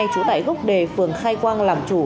chú tải gốc đề phường khai quang làm chủ